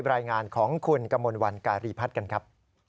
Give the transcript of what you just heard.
รายงานของคุณกมลวันการีพัฒน์กันครับ